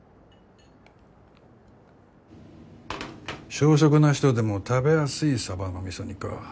小食な人でも食べやすいサバの味噌煮か。